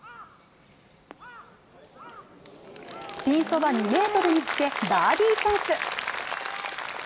ピンそば２ｍにつけバーディーチャンス